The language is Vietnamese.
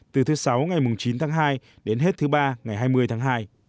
từ thứ sáu ngày chín tháng hai đến hết thứ ba ngày hai mươi tháng hai